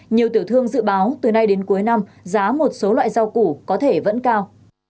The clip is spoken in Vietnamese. nhiều tiểu thương dự báo từ nay đến cuối năm giá một số loại rau củ có thể vẫn cao